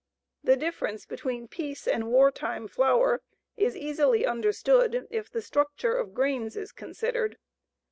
The difference between peace and war time flour is easily understood if the structure of grains is considered.